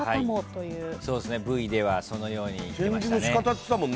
Ｖではそのように言ってましたね。